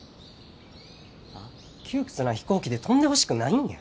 窮屈な飛行機で飛んでほしくないんや。